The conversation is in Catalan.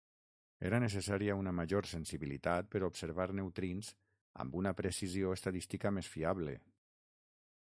Era necessària una major sensibilitat per observar neutrins amb una precisió estadística més fiable.